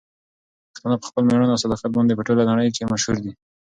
پښتانه په خپل مېړانه او صداقت باندې په ټوله نړۍ کې مشهور دي.